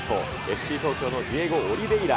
ＦＣ東京のディエゴ・オリヴェイラ。